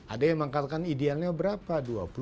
ada yang mengatakan idealnya berapa dua puluh dua puluh dua